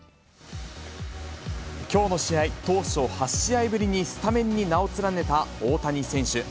きょうの試合、当初、８試合ぶりにスタメンに名を連ねた大谷選手。